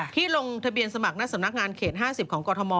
ลงทะเบียนสมัครหน้าสำนักงานเขต๕๐ของกรทม